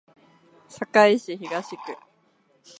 堺市東区